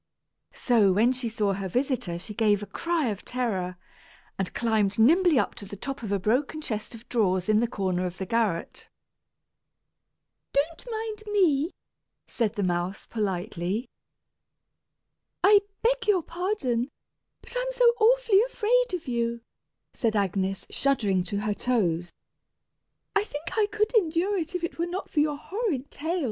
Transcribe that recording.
So when she saw her visitor she gave a cry of terror, and climbed nimbly up to the top of a broken chest of drawers in the corner of the garret. "Don't mind me," said the mouse, politely. "I beg your pardon, but I'm so awfully afraid of you," said Agnes, shuddering to her toes. "I think I could endure you if it were not for your horrid tail!